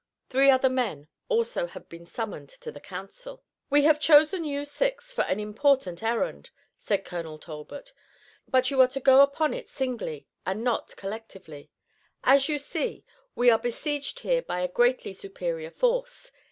Three other men also had been summoned to the council. "We have chosen you six for an important errand," said Colonel Talbot, "but you are to go upon it singly, and not collectively. As you see, we are besieged here by a greatly superior force.